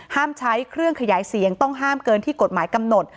ใช้เครื่องขยายเสียงต้องห้ามเกินที่กฎหมายกำหนด